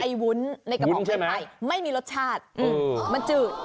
ดีฉันกินไอวุ้นในกระป๋องไผ่ไม่มีรสชาติมันจืด